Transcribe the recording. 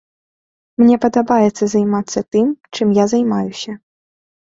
Мне падабаецца займацца тым, чым я займаюся.